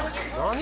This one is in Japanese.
何？